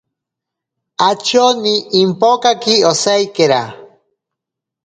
Atyoni impokaki osaikera.